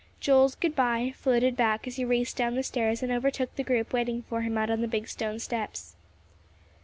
Joel's good by floated back as he raced down the stairs and overtook the group waiting for him out on the big stone steps.